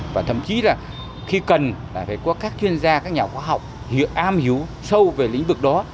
và thậm chí là khi cần là phải có các chuyên gia các nhà khoa học am hiểu sâu về lĩnh vực đó